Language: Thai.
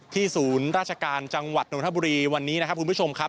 ศูนย์ราชการจังหวัดนทบุรีวันนี้นะครับคุณผู้ชมครับ